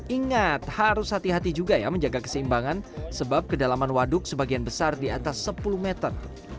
ingat harus hati hati juga ya menjaga keseimbangan sebab kedalaman waduk sebagian besar di atas sepuluh meter